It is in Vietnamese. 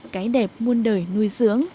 cái đẹp muôn đời nuôi dưỡng